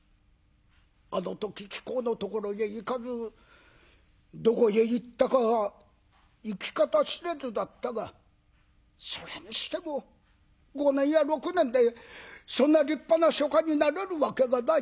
あの時貴公のところへ行かずどこへ行ったか行き方知れずだったがそれにしても５年や６年でそんな立派な書家になれるわけがない」。